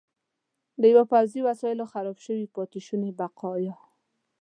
د پوځي وسایلو خراب شوي پاتې شوني بقایا.